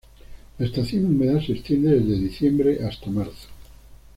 La estación húmeda se extiende desde diciembre hasta marzo.